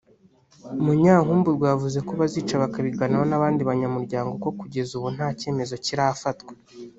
Munyankumburwa yavuze ko bazicara bakabiganiraho n’abandi banyamuryango ko kugeza ubu nta cyemezo kirafatwa